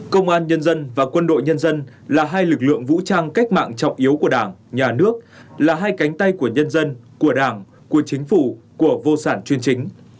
công an nhân dân và quân đội nhân dân là hai lực lượng vũ trang cách mạng trọng yếu của đảng nhà nước là hai cánh tay của nhân dân của đảng của chính phủ của vô sản chuyên chính